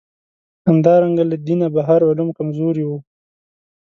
همدارنګه له دینه بهر علوم کمزوري وو.